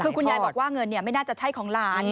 คือคุณยายบอกว่าเงินไม่น่าจะใช่ของหลาน